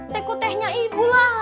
teko tehnya ibu lah